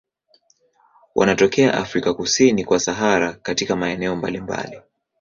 Wanatokea Afrika kusini kwa Sahara katika maeneo mbalimbali.